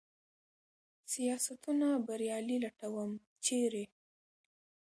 سیاستونه بریالي لټوم ، چېرې ؟